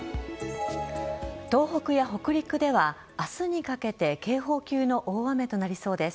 東北や北陸では明日にかけて警報級の大雨となりそうです。